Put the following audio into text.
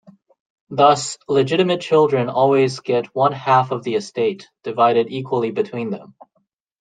Thus, legitimate children always get one half of the estate, divided equally between them.